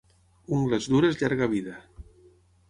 Ungles dures, llarga vida.